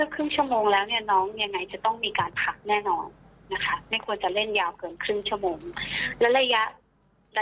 ก็ไม่ควรให้เล่นโทรศัพท์มือถือเนี่ย